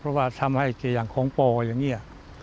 เพราะทำให้ของปลออย่างนี้